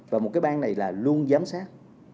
và một cái bang này là luôn giám sát